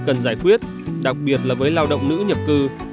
cần giải quyết đặc biệt là với lao động nữ nhập cư